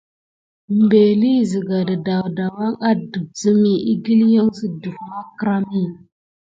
Mbeli sika ɗe daku adef simi iki liok siɗef macra mi.